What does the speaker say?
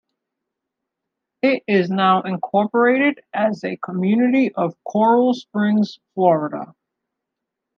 It is now incorporated as a community of Coral Springs, Florida.